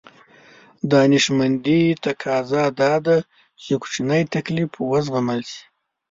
دانشمندي تقاضا دا ده چې کوچنی تکليف وزغمل شي.